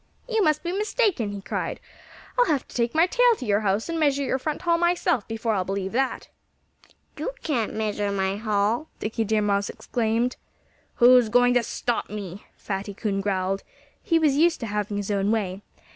"You must be mistaken!" he cried. "I'll have to take my tail to your house and measure your front hall myself before I'll believe that." "You can't measure my hall!" Dickie Deer Mouse exclaimed. "Who's going to stop me?" Fatty Coon growled. He was used to having his own way.